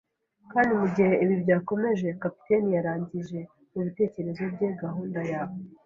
Kandi mugihe ibi byakomeje, capitaine yarangije, mubitekerezo bye, gahunda ya